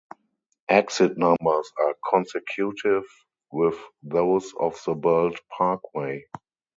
Exit numbers are consecutive with those of the Belt Parkway.